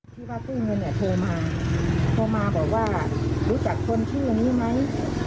ที่ว่าตู้เงินเนี่ยโทรมาโทรมาบอกว่ารู้จักคนชื่อนี้ไหม